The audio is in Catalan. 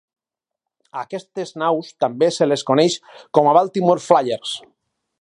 A aquestes naus també se les coneix com a Baltimore Flyers.